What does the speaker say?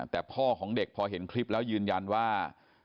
แต่พ่อของเด็กพอเห็นคลิปแล้วยืนยันว่า